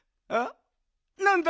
なんだ？